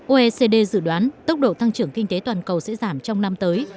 oecd dự đoán tốc độ tăng trưởng kinh tế toàn cầu sẽ giảm trong năm tới